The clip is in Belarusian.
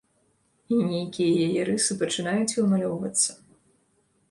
І нейкія яе рысы пачынаюць вымалёўвацца.